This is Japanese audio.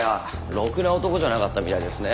ろくな男じゃなかったみたいですね。